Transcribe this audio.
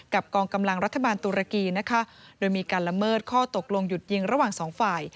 กองกำลังรัฐบาลตุรกีนะคะโดยมีการละเมิดข้อตกลงหยุดยิงระหว่างสองฝ่าย